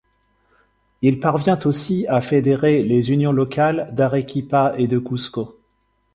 Il parvient aussi à fédérer les unions locales d’Arequipa et de Cusco.